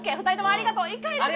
ありがとう！